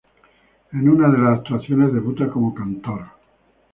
En una de las actuaciones debuta como cantor.